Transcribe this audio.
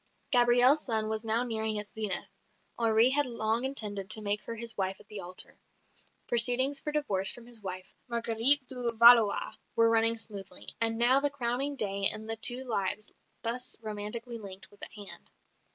Gabrielle's sun was now nearing its zenith; Henri had long intended to make her his wife at the altar; proceedings for divorce from his wife, Marguerite de Valois, were running smoothly; and now the crowning day in the two lives thus romantically linked was at hand.